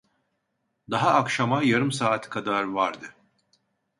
Daha akşama yarım saat kadar vardı.